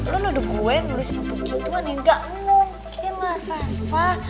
lo nudu gue nulis yang begituan ya nggak mungkin lah reva